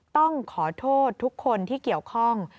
ต้องขอโทษทุกคนที่เกี่ยวข้อง